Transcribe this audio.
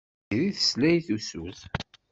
Tiziri tesla i tusut.